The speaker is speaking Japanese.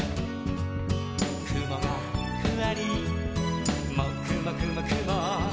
「くもがふわりもくもくもくも」